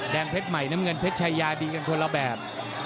เพชรใหม่น้ำเงินเพชรชายาดีกันคนละแบบ